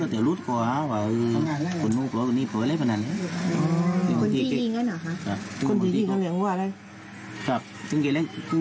คือบางทีมัวอะไรก็จะรู้สึกว่าว่าคุณมูกลัวคุณนี่เปิดอะไรปะนั้นเนี่ย